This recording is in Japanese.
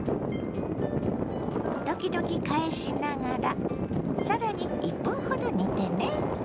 時々返しながらさらに１分ほど煮てね。